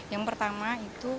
yang pertama itu